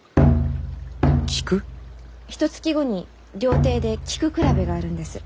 ひとつき後に料亭で菊比べがあるんです。